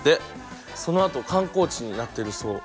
そのあと観光地になってるそう。